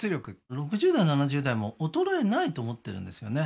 ６０代７０代も衰えないと思ってるんですよね